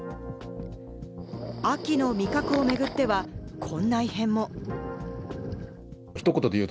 秋の味覚を巡っては、こんな異変も。